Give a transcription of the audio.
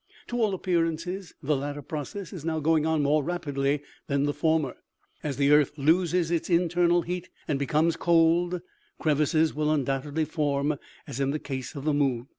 To all appearances, the latter process is now going on more rapidly than the former. As the earth loses its internal heat and becomes cold, crevasses will undoubtedly form, as in the case of the moon.